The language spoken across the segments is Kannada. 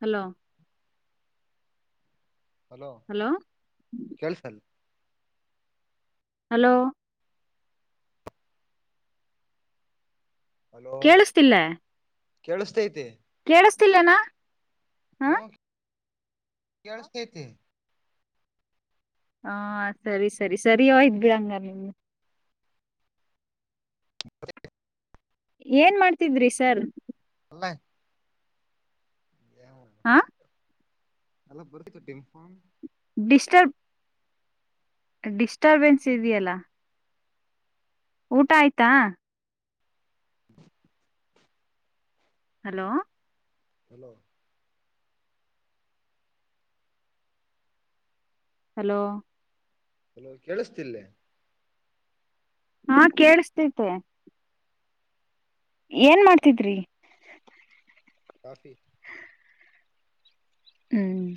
ಹಲೋ ಹಲೋ ಕೆಳ್ಸಲ್ ಹಲೋ ಹಲೋ ಕೇಳಿಸತಿಲ್ಲ ಕೇಳಿಸತೈತಿ ಕೇಳಿಸತಿಲ್ಲೇನಾ ಒ ಕೆಳ್ಸಿತೈತಿ ಹಾ ಸರಿ ಸರಿ ಸರಿಯ ಇದ್ ಬಿಡಂಗ ನಿಮಗೆ [inaudible] ಏನ್ ಮಾಡ್ತಿದ್ರಿ ಸರ್ ಮ್ಯಾಗ ಹಾ ಎಲ್ಲ ಬರುತ್ತ ಟಿಂಫ ಡಿಸ್ಟರ್ಬ್ ಡಿಸ್ಟರ್ಬೆನ್ಸ್ ಇದೆಯಲ್ಲ ಊಟ ಆಯ್ತಾ ಹಲೋ ಹಲೋ ಹಲೋ ಹಲೋ ಕೇಳಿಸ್ತಿಲ್ಲೆ ಹಾ ಕೇಳುಸತೈತೆ ಏನ್ ಮಾಡ್ತಿದ್ರಿ ಕಾಫಿ ಹ್ಮ್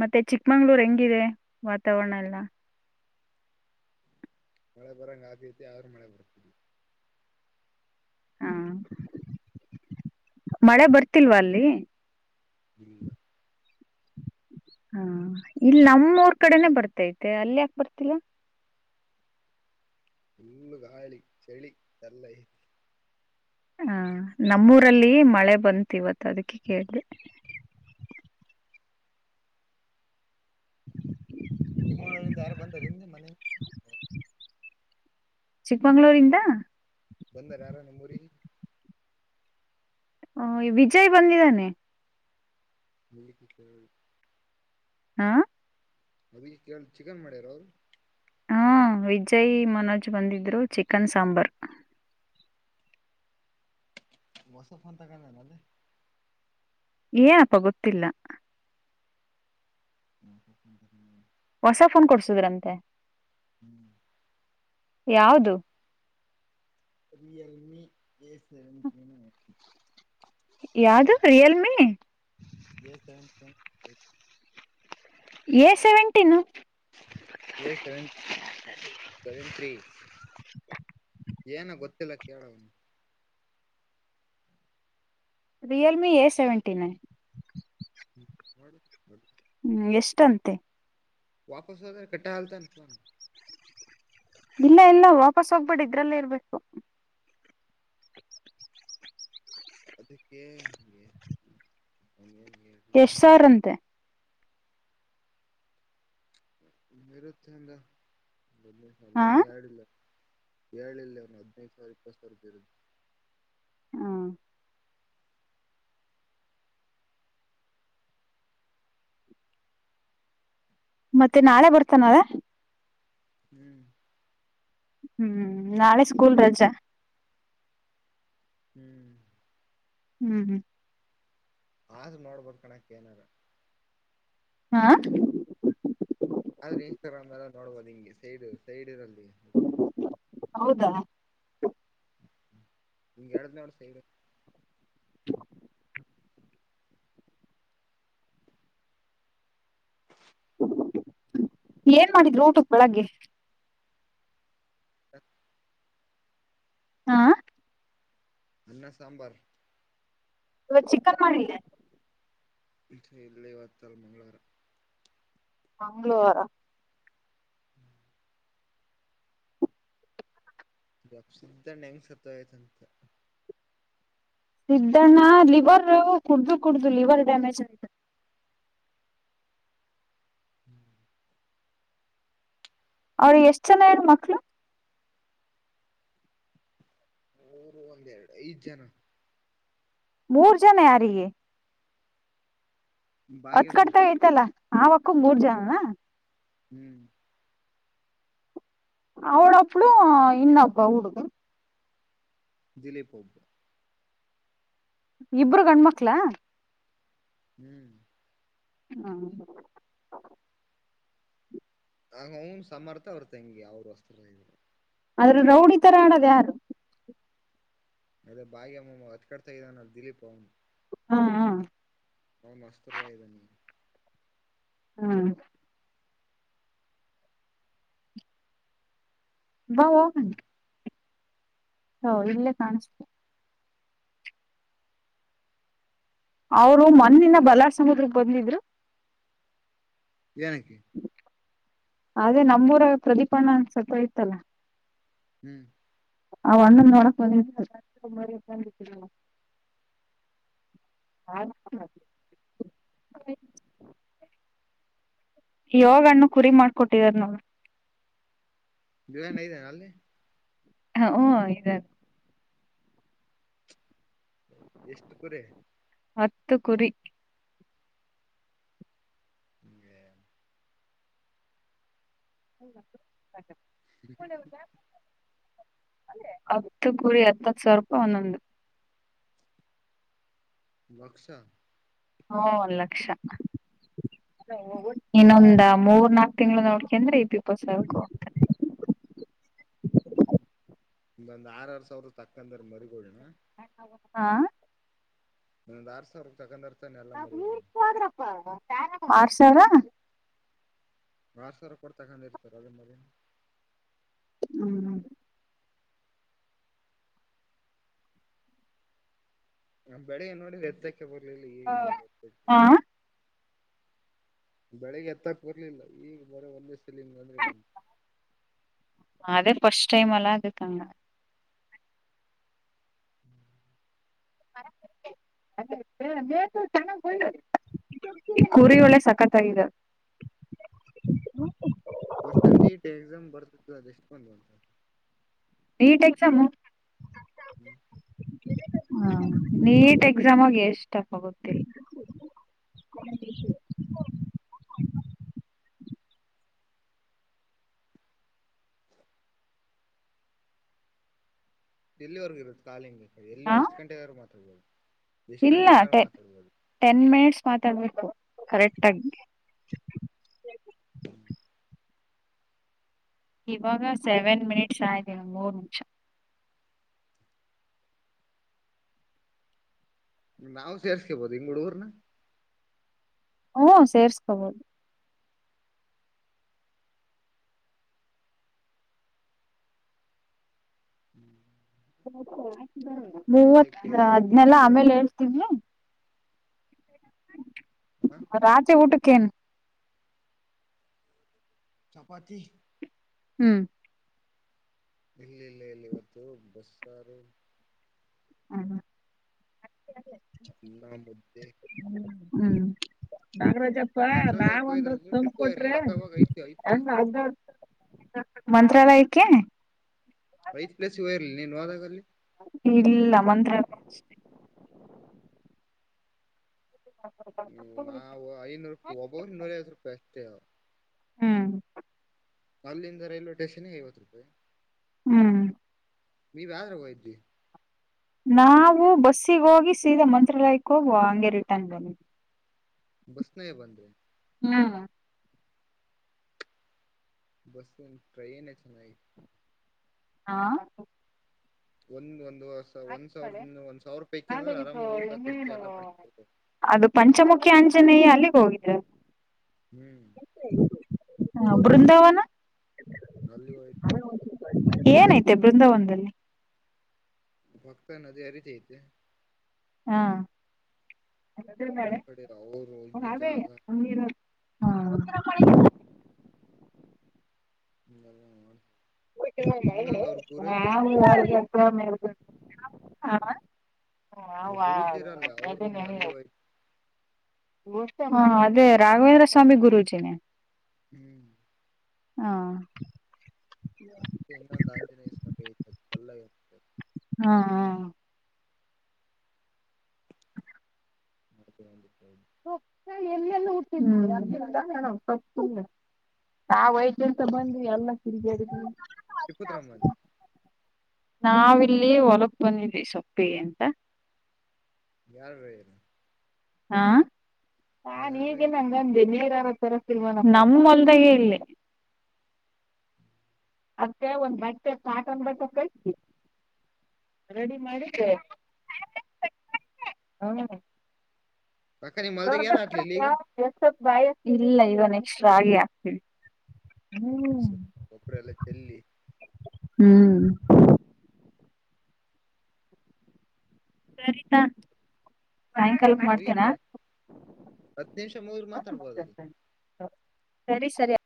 ಮತ್ತೆ ಚಿಕ್ಕಮಂಗ್ಳೂರ್ ಹೆಂಗಿದೆ ವಾತಾವರಣ ಎಲ್ಲಾ ಮಳೆ ಬರಂಗ ಆಗ್ತಾತಿ ಆದ್ರೂ ಮಳೆ ಬರ್ತ ಹಾ ಮಳೆ ಬರ್ತಿಲ್ವಾ ಅಲ್ಲಿ ಇಲ್ಲ ಹಾ ಇಲ್ಲಿ ನಮ್ಮೂರ್ ಕಡೆನೆ ಬರ್ತೈತೆ ಅಲ್ಲಿ ಯಾಕ ಬರ್ತಿಲ್ಲ ಇಲ್ಲು ಗಳಿ ಚಳಿ ಎಲ್ಲ ಐತಿ ಹ ನಮ್ಮೂರಲ್ಲಿ ಮಳೆ ಬಂತತ್ ಇವತ್ತು ಅದಕ್ಕೆ ಕೇಳ್ತದೆ ತಿಿಮಗಳೂರಿಿಂದ ಯಾರು ಬಂದ ನಿಮ್ದ ಮನೆ ಚಿಕ್ಕಮಂಗಳೂರಿಂದ ಬಂದಾರ ಯಾರ ನಿಮ್ಮ ಊರಿಗೆ ಹ ವಿಜಯ್ ಬಂದಿದ್ದಾನೆ ಮಲ್ಲಿ ಕದು ಹಾ ಅದಕ್ಕೆ ಕೇಳ ಚಿಕನ್ ಮಾಡ್ಯಾರ ಅವ್ರು ಹ್ಮ ವಿಜಯ್ ಮನೋಜ್ ಬಂದಿದ್ರು ಚಿಕನ್ ಸಾಂಬಾರ್ ವಸ ಫೋನ್ ತಂಗೋಡನಲ್ಲೀ ಏನಪ್ಪ ಗೊತ್ತಿಲ್ಲ ಹ್ಮ ಹ್ಮ ಹ್ಮ್ ಹೊಸ ಫೋನ್ ಕೊಡ್ಸುದ್ರಂತೆ ಹ್ಮ್ ಯಾವುದು ರಿಯಲ್ಮಿ ಏ ಸೆವೆನ್ ಏನು ಯಾವ್ದೋ Realme A seventeen A seventeen A seven ಏನ ಗೊತ್ತಿಲ್ಲ ಕೇಳವನು ರಿಯಲ್ಮಿ ಎ ಸೆವೆಂಟಿನ್ನ್ ಹ ಮಾಡ ಹ್ಮ್ ಎಷ್ಟಂತೆ ವಾಪಸ್ ಹದ ಕಟ್ಟಾ ಹಲ್ತ ಕನ್ ಇಲ್ಲ ಇಲ್ಲ ವಾಪಸ್ ಹೋಗ್ಬೇಡಿ ಇ್ರಲ್ಲೇ ಇರ್ಬೇಕು ಅದಕ್ಕೆ ಎಷ್ಟ ಸಾವಿ್ರಂತೆ ಮರುತ್ತಿಂದ ಹಾ ಹರಿಯಾನ ಯಡಲ್ಲ ಹೇಳಏಳ್ಿಲ್ಲ ಅವ್ನು ಹದ್ನೈದು ಸಾವಿರ ಇಪ್ಪತ್ ಸಾವಿರ ಬ ಇರುದ ಹಾ ಮತ್ತೆ ನಾಳೆ ಬರ್ತಾನದ ಹ್ಮ್ ಹ್ಮ್ ನಾಳೆ ಸ್ಕೂಲ್ ರಜೆ ಹ್ಮ್ ಹ್ಮ್ ಹ್ಮ್ ಆದ್ರ್ ನೋಡ್ಬೋದ ಕಣಕ್ ಏನಾರ ಹಾ ಆದ್ರೆ ಇನ್ಸ್ಟಾಗ್ರಾಮ್ ಎಲ್ಲ ನೋಡ್ಬೋದು ನಿಂಗೆ ಸೈಡ್ ಸೈಡ್ ಇರಲ್ಲಿ ಹೌದಾ ನಿಂ ಇಡನ ಅವರ ಸೈಡು ಹ ಹ ಏನ್ ಮಾಡಿದ್ರು ಊಟ ಬೆಳಗ್ಗೆ ಹ ಹಾ ಅನ್ನ ಸಾಂಬಾರ್ ಇವವ ಚಿಕನ್ ಮಾಡಿದ್ದೆ ಇಲ್ಲ ಬತಲ್ಲ ಮಂಗಳವಾರ ಮಂಗಳೂಾರ ಪ್ಸಿದ್ದಣ ಹೆಂಗ್ ಸತ್ ಆಯ್ತಂತ ಸಿದ್ದಣ್ಣ ಲಿವರ್ ಕುಡ್ದು ಕುಡ್ದು ಲಿವರ್ ಡ್ಯಾಮೇಜ್ ಆಯ್ತು ಹ್ಮ್ ಅವ್ರ ಎಷ್ಟ್ ಜನ ಇಾರ ಮಕ್ಳು ಊರು ಒಂದ್ೆರಡು ಐದ್ ಜನ ಮೂರ್ ಜನ ಯಾರಿಗೆ ಹೊತ್ ಭಾಗ್ಯಮ್ಮ ಕಡ್ತ ಐತಲ್ಲ ಆವಕ್ಕೂ ಮೂರ್ ಜನನ ಹ್ಮ್ ಅವಳಪ್ಳು ಇನ್ನೊಬ್ ಹಡುಗ ದಲೇಪಬ್ಬ ಇಬ್ರು ಗಂಡ್ಮಕ್ಳ ಹ್ಮ್ ಹ್ಮ ನಗ ಅವನು ಸಮಮ್ಮರ್ತ ಅವ್ರ ತಂಗಿ ಅವ್ರು ವಸ್ತ್ರ ಆದ್ರ ರೌಡಿ ತರ ಆೋದು ಯಾರು ಅದೇ ಬಾಯಿ ಅಮ್ಮಮ್ಮ ಅಕಡ್ತಾ ಇದಾನ ದಿೀಪ್ ಅವನು ಹ್ಮ ಹ್ಮ್ ಹಾ ಮಸ್ತರ್ ಭಾಯ ಬ ನೀ ಹಾ ಬ ಹ ಇಲ್ಲೇ ಕಾಣಿಸ್ತು ಅವರು ಮ್ಣಿನ ಬಲಾರ್ಸುದ್ರ ಬಂದಿದ್ರು ನಕ್ಕೆ. ಅದೇ ನಮ್ಮೂರ ಪ್ರದೀಪಣ್ಣ ಅಂದ ಸ್ವಲ್ಪ ಇತ್ತಲ್ಲ. ಹ್ಮ್. ಒ್ಣಕ ನಿ. ಹಾ. ಯೋಗಣ್ಣು ಕುರಿ ಮಾಡ್ಕೊಟ್ಟಿದಾರ ನೋ. ದರಣ ಇದದೆನೆ ಅಲ್ಲಿ. ಹ ಹಓ ಇದಾರೆ. ಎಷ್ಟು ಕರೆ. ಹತ್ತು ಕುರಿ. ಹಗೆ. ಹೌ. ಬ. ಹತ್ತು ಕೂರಿ ಹತ್ತತ್ತು ಸಾವಿರ ರೂಪಾಯಿ ಒಂದೊಂದು. ಬಕ್ಸ. ಹ್ಮ ಲಕ್ಷ. ಇನ್ನೊಂದ ಮೂರ್ ನಾಕ್ ತಿಂಗಳು ನೋಡ್ಕಂದ್ರೆ ಈ ದೀಪಸಕು ಅಂತದೆ. [inaudible] ಬಂದ್ ಆರಾರರ್ ಸಾವಿರ ತಕ್ಕಂದ್ರ ಮರಿಗೋಣ. ಹಾ. ಒಂದ್ ಆರ್ ಸಾವಿ ತಕಂದ. ಆರ್ ಸಾವಿರ. ಬಾರ ಸರ ಕೊಡ್ತಕೊಂಡ ಇರ್ತಾರೆ ಅದೇ ಮದ. ಹ್ಮ್. ನಾ ಬೆಳಿಗ್ಏ ನೋಡಿ ರದ್ದಕ್ಕೆ ಬರ್ಲಿಲ್ಲ ಈಗಂಗ ಗೊತಾ. ಹಾ ಬೆಳಿಗ್ಗೆ ಎತ್ತ ಕೊರ್ಲಿಲ್ಲ ಈಗ ಬರೋ ಒಂದ ದಸದಲ್ಲಿ ಇ ಅಂದ್ರೆ ಬಂದು. ಅದೆ ಪಸ್ಟ್ ಟೈಮಲ ಅದುಕಾಂಗ. ಚಾನ. [unintelligible] ಈ ಕುರಿ ಒಳ್ಳೆ ಸಕ್ಕತಾಗಿದವ್. ಅದ್ ಎಷ್ಟುಕೊಂದು ಅಂತ. ನೀಟ್ ಎಕ್ಸಾಮ್ ಹ್ಮ್. ಹಾ ನೀಟ್ ಎಕ್ಸಾಮ್ಗ್ ಎಷ್ಟಪ್ಪ ಗೊತೀ. [inaudible] ಎಲ್ಲಿವರೆಗು ಇರುತ್ ಕಾಲಿಂಗ್ ಎಲ್ ಹ ಎಷ್ಟು ಗಂಟೆಗರು ಮಾತಾಡ್ಬಾವ್ದು. ಇಲ್ಲ ಟೆ ಟೆನ್ ಮಿನಿಟ್ಸ್ ಮಾತಾಡ್ಬೇಕು. ಕರೆಕ್ಟ್ ಆಗಿ. ಹ್ಮ. ಇವಾಗ ಸೆವೆನ್ ಮಿನಿಟ್ಸ್ ಆಯ್ತು ಇನ್ ಮೂರ್ ನಿಮಷ. ನಾವು ಸೇರ್ಸ್ಕೇಬೋದ ಇಂಗ್ ಹುಡುಗುರ್ನ. ಹ್ಮ ಸೇರ್ಸ್ಕೋಬೋದು. ಮೂವತ್ ಲೈಕ್ ಅಧ್ಮೇಲಾ ಆಮೇಲ್ ಹೇಳ್ತೀನಿ. ರಾತ್ರಿ ಊಟಕೆನು. ಚಪಾತಿ. ಹ್ಮ್. ಇಲ್ ಇಲ್ ಇಲ್ಲಿ ಇವತ್ತು ಬಸ್ರು. ಹ್ಮ. ಅನ್ನ ಮುದ್ದೆ. ಹ್ಮ್. ನಾಗರಾಜಪ್ಪ ಮಂತ್ರಾಲಯಕ್ಕೆ ನಾವೊಂದು ಹೋಯ್ದಲ್ ತಂದ್ ಟ್ರಿಪ್ ಕೊಟ್ರೆ. ಹೋಗಿರ್ಲಿಲ್ಲ ಅಕ್ಕವಾಗ ಐತಿ ಐದ್ ಪ್ಲೇಸ್ [unintelligible] ಮಂತ್ರಾಲಯಕ್ಕೆ. ಇಲ್ ನೀನ್ ಹಾದಾಗಲ್ಲಿ. ಇಲ್ಲ ಮಂತ್ರಲಯ ಅಷ್ಟೆ. ಹ್ಮ್ ನವೋ ಐನೂರುಕ್ ಒಬಬ್ರಿಗ್ ನೂರಐವತ್ ರೂಪಾಯಿ ಅಷ್ಟೇಯ. ಹ್ಮ್. ಅಲ್ಲಿಂದ ರೈಲ್ವೆ ಸ್ಟೇಷನಿಗ್ ಐವತ್ ರೂಪಾಯಿ. ಹ್ಮ್. ನೀವ್ ಯದ್ರಾಗ್ ಹೋಗಿದ್ರಿ. ನಾವು ಬಸ್ಸಿಗ್ ಹೋಗಿ ಸೀದಾ ಮಂತ್ರಾಲಯಕ್ಕೆ ಹೋಗ್ ಹಂಗೆ ರಿಟರ್ನ್ ಬಂದ್ವಿ. ಬಸ್ನಾಗೆ ಬಂದ್ರ. ಹ್ಮ. ಬಸ್ಗಿನ ಟ್ರೈನೆ ಚನಾಗಿತ್ತು. ಹಾ. ಒಂದ್ ಒಂದು ಒಂದ್ ಹಾಕಿದ್ದಾಳೆ ಸಾವಿರದಿಂದ ಒಂದ ಸಾವಾರುಪಾಯ್ ಇಕೆಂದ್ರ ಆದ್ರೆ ಅಂದ್ರ ಇದು ಆರಾಮಗ್ ಊಟ ಖರ್ಚು ಇನ್ನೇನು ಎಲ್ಲ ಮಾಡ್ ಅದು ಪಂಚಮುಖಿ ಆಂಜನೇಯ ಅಲ್ಲಿಗ್ ಹೋಗಿದ್ರ. ಹ್ಮ್. ಹ ಬೃಂದಾವನ. [unintelligible] ಏನೈತೆ ಬೃಂದಾವನದಲ್ಲಿ. ಪಕ್ದಗ್ ನದಿ ಹರಿತೈತಿ. ಹಾ. ಈ ಕಡೆ ಅವರು ಇದ್ದಿದ್ದ ಜಾಗ ಹಾ ಹಾ. [inaudible] ಹ. [unintelligible] ಅವ್ರ ಗುರೂಜಿ ಹಾ ಹಾ ಗುರುಜಿರ ಅಲ್ಲ ಅವರುೂಮ್ ಅಲ್ಲಿ ಹೋಯ್ತು ಅದೇ ರಾಘವೇಂದ್ರ ಸ್ವಾಮಿ ಗುರುಜಿನೆ ಹ್ಮ್ ಹಾ ಮತ್ತೆ ಇನ್ನೊಂದು ಆಂಜನೇಸ್ಮಕ ಯತದೆ ಪಲ್ಲ ಇತದೆ ಹಾ ಹಾ ಹತ ಎಲ್ಲೆಲ್ಲ [unintelligible] ಆ ವಯದ ಎಂತ ಬಂದಿ ಎಲ್ಲ ತಿರುಗಾಡಿದವಿ ಇಪ್ಪತ್ರೋಂಬತ್ ನಾವಿಲ್ಲಿಯ ಹೊಲಕ್ ಬಂದಿದ್ವಿ ಸೊಪ್ಪಿಗೆ ಎಂತ ಯಾರ ಬನ ಹಾ ನಾನ ಈಗ ನಂಗದೆ ನೀರ ನಮ್ಮ ಹೋಲ್ದಾಗ ಇಲ್ಲಿ ಅದ ಒಂದ್ ಬಟ್ಟೆ ಕಾರ್ಟ್ ನ್ ಬಟ್ಟೆ ಕಟ್ಟಿ ರೆಡಿ ಮಾಡಿದ್ದ್ರೆ [unintelligible] ಹ್ಮ ಅಕ್ಕ ನಿಮ್ ಹೊಲ್ದಾಗ ಏನ್ ಹಾಕ್ಲಿಲ್ಲ ಈಗ [unintelligible] ಇಲ್ಲ ನೆಕ್ಸ್ಟ್ ರಾಗಿ ಹಾಕ್ತಿವಿ ಗೊಬ್ರ ಎಲ್ಲ ಚೆಲ್ಲಿ ಹ್ಮ್ ಸರಿತಾ ಹ್ಮ್ ಸಾಯಂಕಾಲಕ್ ಮಾಡ್ತೀನಾ ಮುಗಿತದ ಹತ್ತು ನಿಮಿಷ ಮೂಗದರೂ ಮಾತಾಡ್ಬೋದ ಸರಿ ಸರಿ